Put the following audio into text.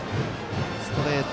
ストレート